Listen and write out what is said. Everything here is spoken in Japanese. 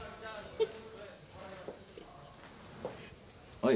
はい。